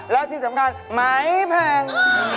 แล้วที่สำคัญไม้แพง